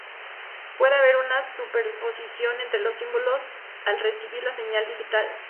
Puede haber una superposición entre los símbolos al recibir la señal digital.